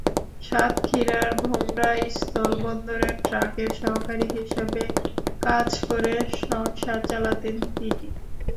সাতক্ষীরার ভোমরা স্থলবন্দরে ট্রাকের সহকারী হিসেবে কাজ করে সংসার চালাতেন তিনি।